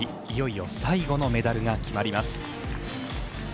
いよいよ最後のメダルが決まります。